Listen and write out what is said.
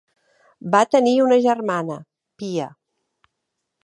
Va tenir una germana, Pia.